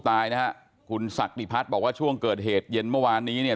ตายนะฮะคุณศักดิพัฒน์บอกว่าช่วงเกิดเหตุเย็นเมื่อวานนี้เนี่ย